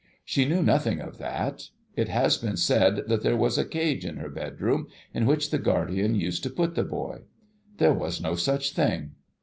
She knew nothing of that. It has been said that there was a Cage in her bedroom in which the guardian used to put the boy. There was no such thing.